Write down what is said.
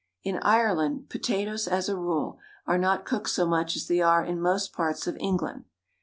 In Ireland potatoes, as a rule, are not cooked so much as they are in most parts of England.